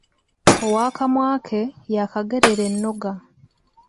Ow’akamwa ke, y’akagerera ennoga.